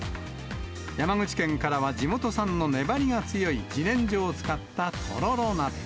山口県からは、地元産の粘りが強いじねんじょを使ったとろろ鍋。